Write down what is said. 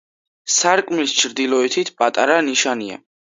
სარკმლის ჩრდილოეთით პატარა ნიშია.